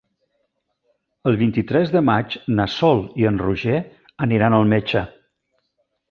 El vint-i-tres de maig na Sol i en Roger aniran al metge.